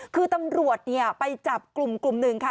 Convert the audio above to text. คือตำรวจไปจับกลุ่มกลุ่มหนึ่งค่ะ